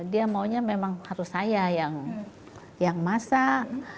dia maunya memang harus saya yang masak